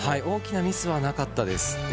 大きなミスはなかったです。